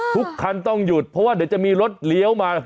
ทุกคันต้องหยุดเพราะว่าเดี๋ยวจะมีรถเลี้ยวมา